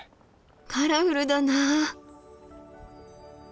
カラフルだなあ。